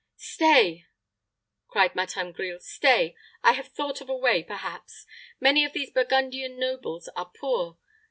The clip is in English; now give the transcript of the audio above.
"Stay," cried Martin Grille, "stay! I have thought of a way, perhaps. Many of these Burgundian nobles are poor.